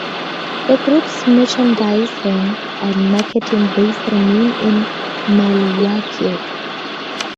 The group's merchandising and marketing base remains in Milwaukee.